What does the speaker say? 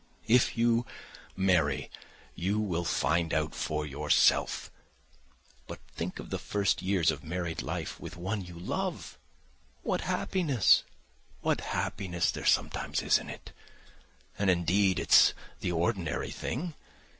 If you marry you will find out for yourself. But think of the first years of married life with one you love: what happiness, what happiness there sometimes is in it! And indeed it's the ordinary thing.